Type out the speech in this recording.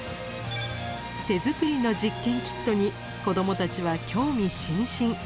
手作りの実験キットに子どもたちは興味津々。